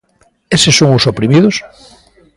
¿Eses son os oprimidos?